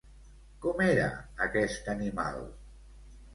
Com era aquest animal?